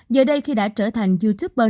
giờ đây khi đã trở thành youtuber